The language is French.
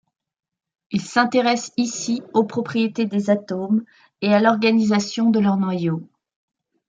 Il s’intéresse ici aux propriétés des atomes et à l’organisation de leurs noyaux.